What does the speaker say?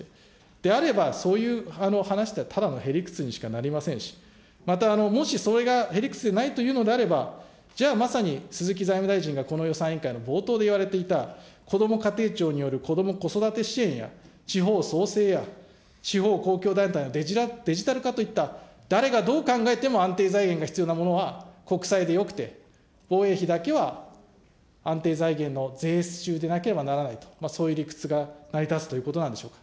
であれば、そういう話はただのへ理屈にしかなりませんし、またもしそれがへ理屈でないというのであれば、じゃあまさに鈴木財務大臣がこの予算委員会の冒頭で言われていた、こども家庭庁によるこども・子育て支援や地方創生や地方公共団体のデジタル化といった誰がどう考えても安定財源が必要なものは国債でよくて、防衛費だけは安定財源の税収でなければならないと、そういう理屈が成り立つということなんでしょうか。